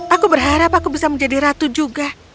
aku berharap aku bisa menjadi ratu juga